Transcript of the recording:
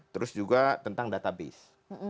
dan juga tentang database